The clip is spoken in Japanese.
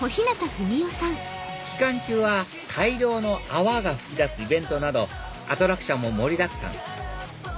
期間中は大量の泡が吹き出すイベントなどアトラクションも盛りだくさん